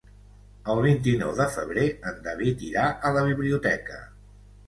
El vint-i-nou de febrer en David irà a la biblioteca.